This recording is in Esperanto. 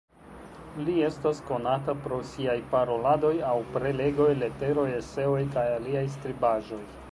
Li estas konata pro siaj Paroladoj aŭ Prelegoj, leteroj, eseoj kaj aliaj skribaĵoj.